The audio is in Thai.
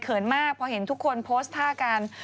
มากพอเห็นทุกคนโพสต์ท่ากัน